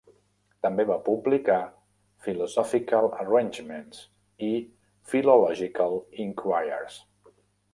També va publicar "Philosophical Arrangements" i "Philological Inquiries".